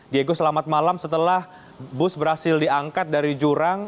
diego selamat malam setelah bus berhasil diangkat dari jurang